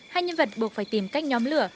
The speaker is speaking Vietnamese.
hai nhân vật buộc phải tìm cách nhóm lửa